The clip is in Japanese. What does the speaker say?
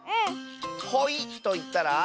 「ほい」といったら？